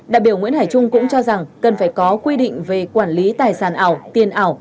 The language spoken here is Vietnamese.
đại biểu nguyễn hải trung cũng cho rằng cần phải có quy định về quản lý tài sản ảo tiền ảo